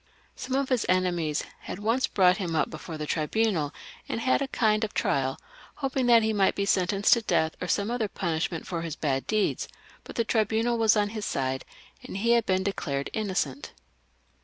Some of his euemies had once brought him up before the tribunal and had a kind of trial, hoping that he might be sentenced to death or some other punishment for his bad deeds ; but the tribunal was on his side, and he had been declared innocent.